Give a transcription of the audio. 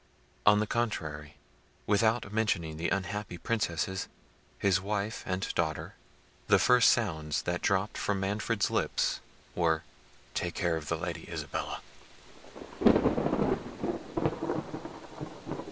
On the contrary, without mentioning the unhappy princesses, his wife and daughter, the first sounds that dropped from Manfred's lips were, "Take care of the Lady Isabella."